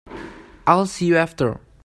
I'll see you after.